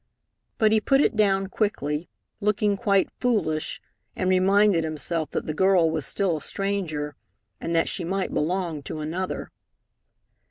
But he put it down quickly, looking quite foolish, and reminded himself that the girl was still a stranger, and that she might belong to another.